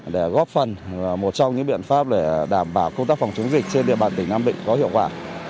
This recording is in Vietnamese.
để góp phần một trong những biện pháp để đảm bảo công tác phòng chống dịch trên địa bàn tỉnh nam định có hiệu quả